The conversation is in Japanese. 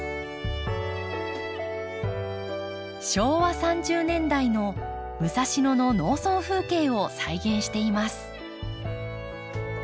昭和３０年代の武蔵野の農村風景を再現しています。